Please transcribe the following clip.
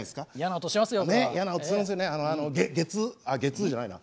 あっ月じゃないな。